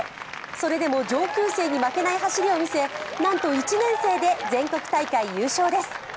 それでも上級生に負けない走りを見せなんと１年生で全国大会優勝です。